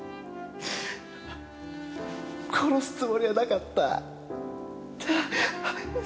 殺すつもりはなかった。